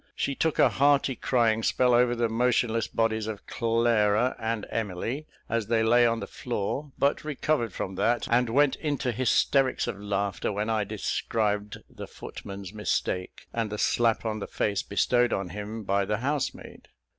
She took a hearty crying spell over the motionless bodies of Clara and Emily, as they lay on the floor; but recovered from that, and went into hysterics of laughter, when I described the footman's mistake, and the slap on the face bestowed on him by the housemaid.